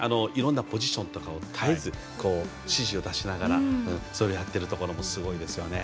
ポジションとか絶えず指示を出しながらやっているところもすごいです。